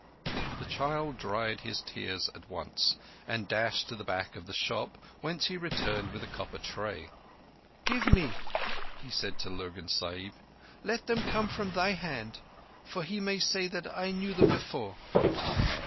The child dried his tears at once, and dashed to the back of the shop, whence he returned with a copper tray. "Give me!" he said to Lurgan Sahib. "Let them come from thy hand, for he may say that I knew them before."